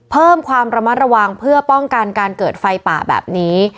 เพิ่มความระมัดระวังเพื่อป้องกันการเกิดไฟป่าแบบนี้